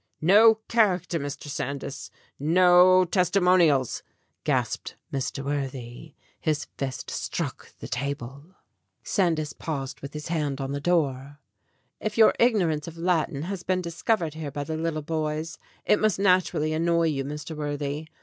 "No character, Mr. Sandys. No testimonials," gasped Mr. Worthy. His fist struck the table. GREAT POSSESSIONS 15 Sandys paused with his hand on the door. "If your ignorance of Latin has been discovered here by the lit tle boys, it must naturally annoy you, Mr. Worthy.